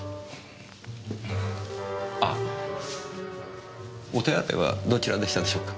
あお手洗いはどちらでしたでしょうか？